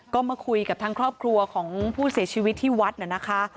ก็มาคุยกับทางครอบครัวของผู้เสียชีวิตที่วัดน่ะนะคะ